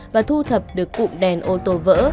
và thu thập được cụm đèn ô tô vỡ